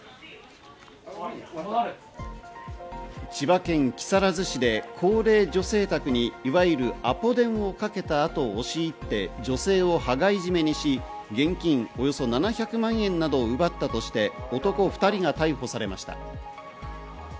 千葉県木更津市で高齢女性宅にいわゆるアポ電をかけた後、押し入って女性を羽交い締めにし、現金およそ７００万円などを奪ったとして男２人が逮捕されました。